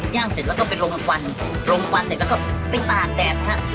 ย่างเสร็จแล้วก็ไปลงกับควันลงกับควันเสร็จแล้วก็ไปต่างแดดนะครับ